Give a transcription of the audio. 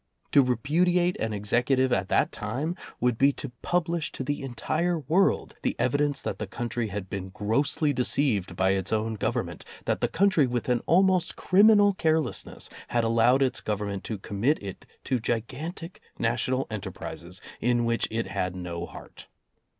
To repudiate an Executive at that time would be to publish to the entire world the evidence that the country had been grossly deceived by its own Government, that the country with an almost criminal carelessness had allowed its Government to commit it to gigan tic national enterprises in which it had no heart.